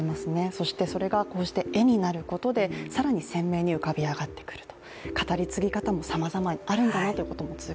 そしてそれがこうして絵になることで更に鮮明に浮かび上がってくると。